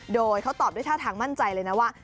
โดยเขาตอบด้วยท่าทางมั่นใจเลยนะว่า